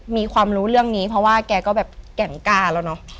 มีความรู้เรื่องนี้เพราะว่าแกก็แบบแก่งกล้าแล้วเนอะ